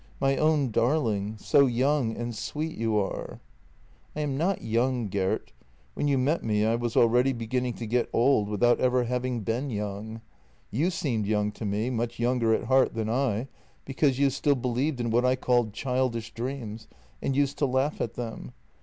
" My own darling ... so young and sweet you are. ..." "I am not young, Gert. When you met me I was already beginning to get old without ever having been young. You seemed young to me, much younger at heart than I, because you still believed in what I called childish dreams and used to laugh at them.